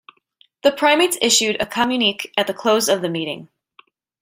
The primates issued a communique at the close of the meeting.